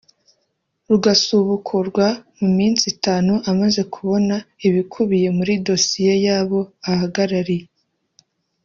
rugasubukurwa mu minsi itanu amaze kubona ibikubiye muri dosiye y’abo ahagarariye